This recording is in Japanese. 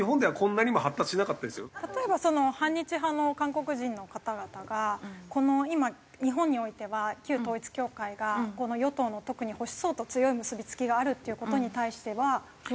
例えば反日派の韓国人の方々が今日本においては旧統一教会が与党の特に保守層と強い結び付きがあるっていう事に対してはどういう風に。